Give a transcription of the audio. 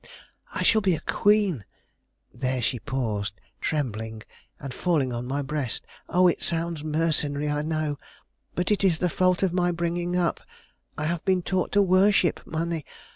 I shall be a queen " There she paused, trembling, and falling on my breast. "Oh, it sounds mercenary, I know, but it is the fault of my bringing up. I have been taught to worship money.